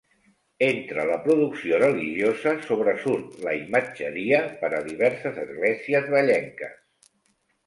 Entre la producció religiosa sobresurt la imatgeria per a diverses esglésies vallenques.